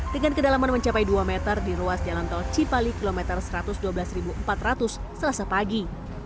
dengan kedalaman mencapai dua meter di ruas jalan tol cipali kilometer satu ratus dua belas empat ratus selasa pagi